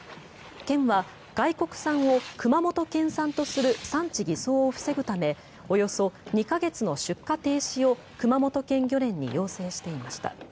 県は外国産を熊本県産とする産地偽装を防ぐためおよそ２か月の出荷停止を熊本県漁連に要請していました。